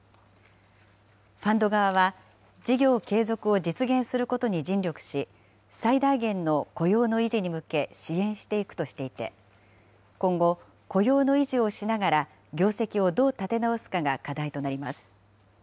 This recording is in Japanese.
ファンド側は、事業継続を実現することに尽力し、最大限の雇用の維持に向け、支援していくとしていて、今後、雇用の維持をしながら、業績をどう立て直すかが課題となります。